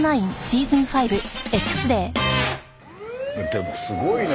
でもすごいね。